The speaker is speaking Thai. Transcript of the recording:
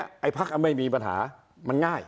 ไอ้พักไม่มีปัญหามันง่าย